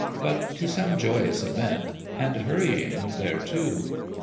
but to some joyous event, and hur rying thereto.